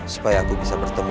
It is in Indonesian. supaya aku bisa bertemu